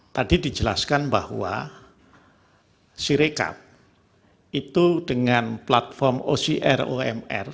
tadi dijelaskan bahwa sirekap itu dengan platform ocr omr